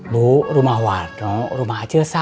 bu rumah warno sama rumah acil